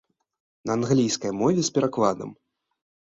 На англійскай мове з перакладам.